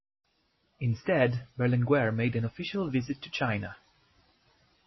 Instead, Berlinguer made an official visit to China.